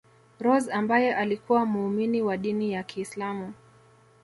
Rose ambaye alikuwa muumini wa dini ya kiislamu